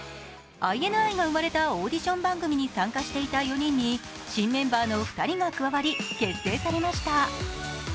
ＩＮＩが生まれたオーディション番組に参加していた４人に新メンバーの２人が加わり結成されました。